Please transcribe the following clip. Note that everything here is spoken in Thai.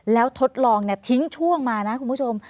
แล้วทดลองทิ้งช่วงมานะคุณผู้ชม